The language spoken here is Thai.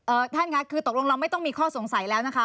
ท่านค่ะคือตกลงเราไม่ต้องมีข้อสงสัยแล้วนะคะ